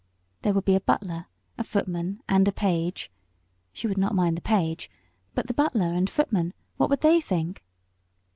There would be a butler, a footman, and a page; she would not mind the page but the butler and footman, what would they think?